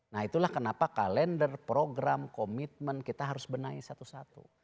nah itulah kenapa kalender program komitmen kita harus benahi satu satu